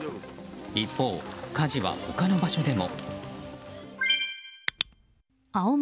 一方、火事は他の場所でも。